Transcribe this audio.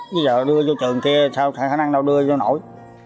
bây giờ đưa vô trường kia sao khả năng đâu đưa vô nổi